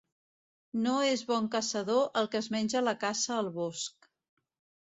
No és bon caçador el que es menja la caça al bosc.